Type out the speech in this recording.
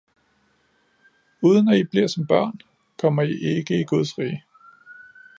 Uden at i bliver som børn, kommer i ikke i guds rige